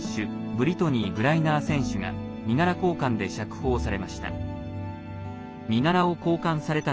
ブリトニー・グライナー選手が身柄交換で釈放されました。